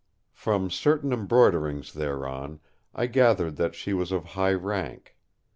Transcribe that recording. From certain embroiderings thereon, I gathered that she was of high rank.